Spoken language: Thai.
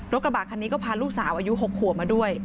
กระบะคันนี้ก็พาลูกสาวอายุ๖ขวบมาด้วย